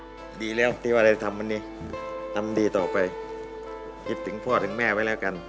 แล้วครับดีแล้วตีวันเลยทำวันนี้ทำดีต่อไปหยิบถึงพ่อถึงแม่ไว้แล้วกัน